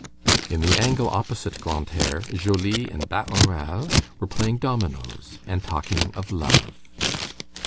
In the angle opposite Grantaire, Joly and Bahorel were playing dominoes, and talking of love.